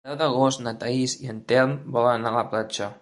El deu d'agost na Thaís i en Telm volen anar a la platja.